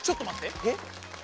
えっ？